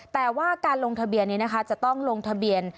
แต่ว่าการลงทะเบียนนี้นะคะจะต้องลงทะเบียน